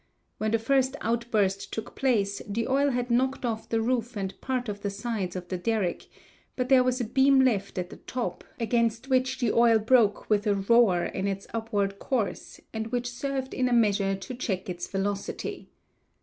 When the first outburst took place the oil had knocked off the roof and part of the sides of the derrick, but there was a beam left at the top, against which the oil broke with a roar in its upward course and which served in a measure to check its velocity.